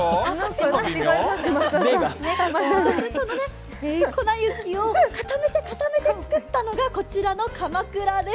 その粉雪を固めて固めて作ったのがこちらのかまくらです。